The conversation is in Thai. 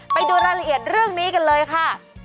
ไปดูรายละเอียดเรื่องนี้กันเลยค่ะ